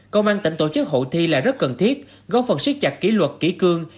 công an tỉnh tổ chức hội thi là rất cần thiết góp phần siết chặt ký luật kỹ cương